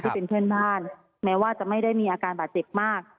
เป็นเพื่อนบ้านแม้ว่าจะไม่ได้มีอาการบาดเจ็บมาก